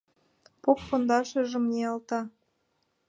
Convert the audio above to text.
Поп пондашыжым ниялта: